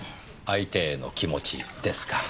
相手への気持ちですか。